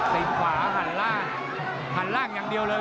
ติดขวาหันล่างหันล่างอย่างเดียวเลย